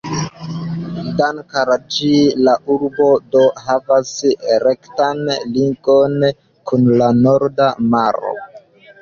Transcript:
Dank'al ĝi la urbo do havas rektan ligon kun la Norda Maro.